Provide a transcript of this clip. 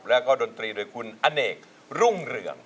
แล้วก็ดนตรีโดยคุณอเนกรุ่งเรือง